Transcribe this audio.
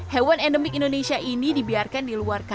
hewan endemik indonesia ini dibiarkan di luar kota